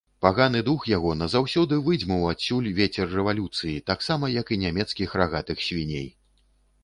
Паганы дух яго назаўсёды выдзьмуў адсюль вецер рэвалюцыі, таксама як і нямецкіх рагатых свіней.